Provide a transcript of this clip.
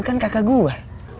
ini kan kakak gua